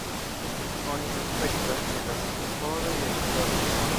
Oni suspektas, ke la ŝoforoj ekdormis.